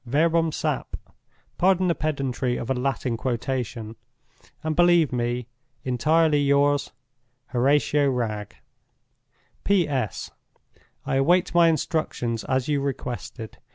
Verbum sap. Pardon the pedantry of a Latin quotation, and believe me, "Entirely yours, "HORATIO WRAGGE. "P.S.—I await my instructions, as you requested.